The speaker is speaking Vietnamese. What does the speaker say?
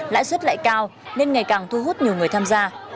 lãi suất lại cao nên ngày càng thu hút nhiều người tham gia